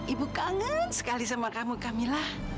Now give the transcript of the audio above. ibu kangen sekali sama kamu kamilah